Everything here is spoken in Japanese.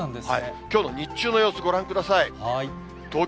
きょうの日中の様子、ご覧ください。